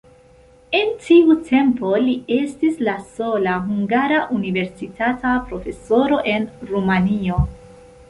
En tiu tempo li estis la sola hungara universitata profesoro en Rumanio.